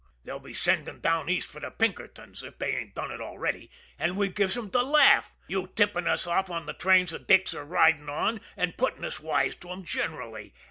They'll be sendin' down East fer de Pinkertons, if they ain't done it already, an' we gives 'em de laugh you tippin' us off on de trains de 'dicks' are ridin' on, an' puttin' us wise to 'em generally.